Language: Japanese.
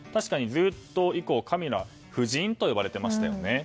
ずっと以降はカミラ夫人と呼ばれていましたよね。